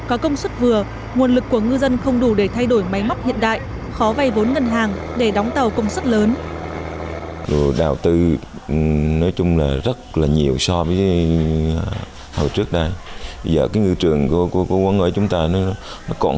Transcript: có công suất vừa nguồn lực của ngư dân không đủ để thay đổi máy móc hiện đại khó vay vốn ngân hàng để đóng tàu công suất lớn